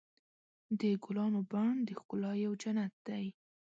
د ګلانو بڼ د ښکلا یو جنت دی.